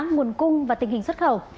nguồn cung và tình hình xuất khẩu